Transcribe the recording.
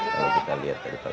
kalau kita lihat tadi